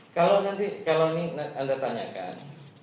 kalau nanti kalau ini anda tanyakan